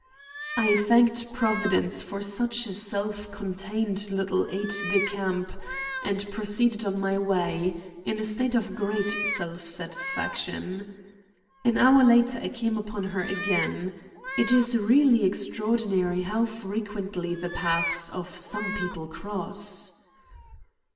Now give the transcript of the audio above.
I thanked Providence for such a self contained little aide de camp and proceeded on my way, in a state of great self satisfaction. An hour later I came upon her again. It is really extraordinary how frequently the paths of some people cross.